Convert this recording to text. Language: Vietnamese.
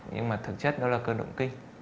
nhưng mà thực chất nó là cơn động kinh